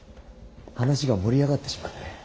話が盛り上がってしまって。